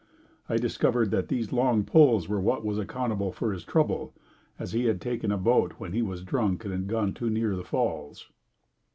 I discovered that these long pulls were what was accountable for his trouble, as he had taken a boat when he was drunk and had gone too near the Falls.